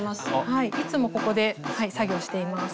いつもここで作業しています。